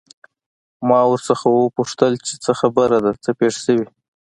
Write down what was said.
ما ورنه وپوښتل چې څه خبره ده، څه پېښ شوي؟